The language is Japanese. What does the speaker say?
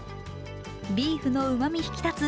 ビーフのうまみ引き立つ